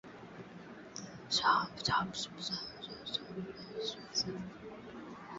katakata viazi lishe vipande nne kwa kila kiazi au ukubwa unaotaka